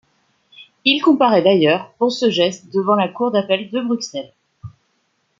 Il comparaît d'ailleurs pour ce geste devant la Cour d'appel de Bruxelles.